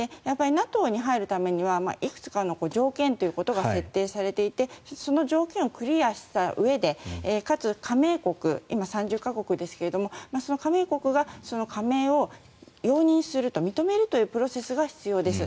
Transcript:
ＮＡＴＯに入るためにはいくつかの条件ということが設定されていてその条件をクリアしたうえでかつ、加盟国今３０か国ですがその加盟国が加盟を容認すると認めるというプロセスが必要です。